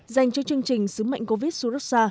dành cho chương trình sứ mệnh covid một mươi chín